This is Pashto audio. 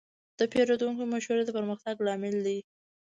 د پیرودونکو مشورې د پرمختګ لامل دي.